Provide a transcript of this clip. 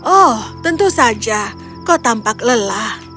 oh tentu saja kau tampak lelah